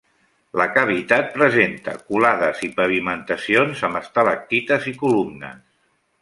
La cavitat presenta colades i pavimentacions amb estalactites i columnes.